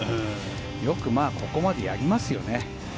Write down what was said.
よくここまでやりますよね。